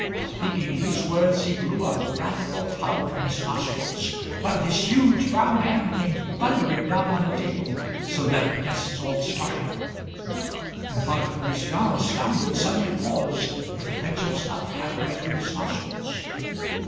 Speaking these words, he blew a wrathful cloud from his nostrils, While his huge, brown hand came thundering down on the table, So that the guests all started; and Father Felician, astounded, Suddenly paused, with a pinch of snuff halfway to his nostrils.